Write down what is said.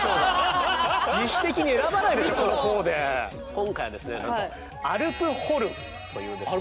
今回ですねなんと「アルプホルン」というですね